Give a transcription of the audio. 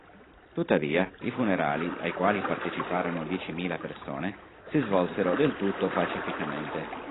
Tuttavia, i funerali, ai quali parteciparono diecimila persone; si svolsero del tutto pacificamente.